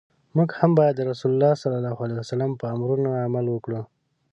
موږ هم باید د رسول الله ص په امرونو عمل وکړو.